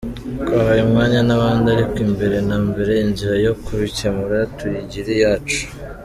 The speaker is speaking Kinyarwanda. Twahaye umwanya n’abandi ariko mbere na mbere inzira yo kubikemura tuyigira iyacu.